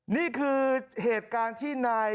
นี่คือเหตุการณ์ที่นาย